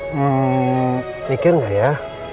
hmm mikir nggak ya